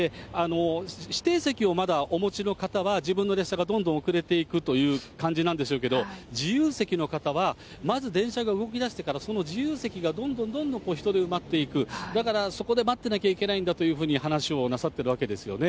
指定席をまだお持ちの方は、自分の列車がどんどん遅れていくという感じなんでしょうけど、自由席の方は、まず電車が動きだしてから、その自由席がどんどんどんどん人で埋まっていく、だからそこで待ってなきゃいけないんだというふうに話をなさってるわけですよね。